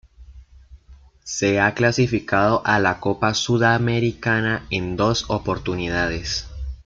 Se ha clasificado a la Copa Sudamericana en dos oportunidades.